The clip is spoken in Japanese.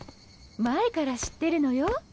前から知ってるのよ。